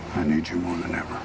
saya butuh kamu lebih dari selamanya